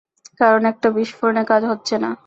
কারণ, একটা বিস্ফোরনে কাজ হচ্ছে না!